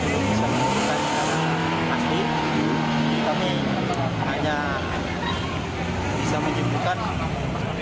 berapi kita masih dalam analisa jadi kita belum bisa menunjukkan karena pasti